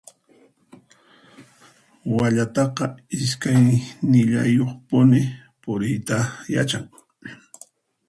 Wallataqa iskaynillayuqpuni puriyta yachan.